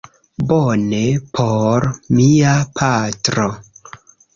Bone, por mia patro